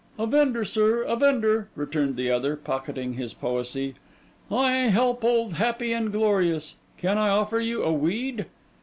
'A vendor, sir, a vendor,' returned the other, pocketing his poesy. 'I help old Happy and Glorious. Can I offer you a weed?